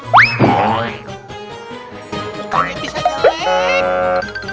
bukanya bisa jelek